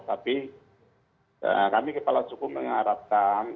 tapi kami kepala suku mengharapkan